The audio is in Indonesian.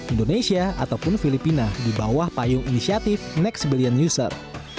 indonesia ataupun filipina di bawah payung inisiatif next billion user